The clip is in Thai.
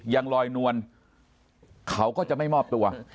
ยังลอยนวลเขาก็จะไม่มอบตัว